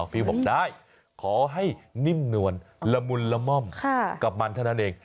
ฟิลบอกได้ขอให้นิ่มนวลละมุนละม่อมกับมันเท่านั้นเอง